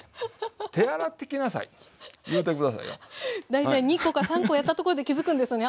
大体２コか３コやったところで気付くんですよね